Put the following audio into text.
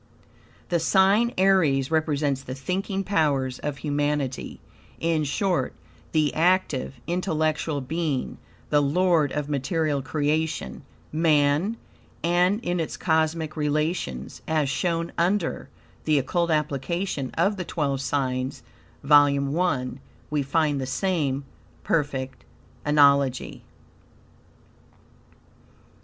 The sign Aries represents the thinking powers of humanity; in short, the active, intellectual being, the lord of material creation Man; and in its cosmic relations, as shown under "The Occult Application of the Twelve Signs" (vol. I), we find the same perfect analogy.